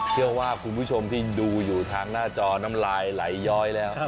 เชื่อว่าคุณผู้ชมที่ดูอยู่ทางหน้าจอน้ำลายไหลย้อยแล้ว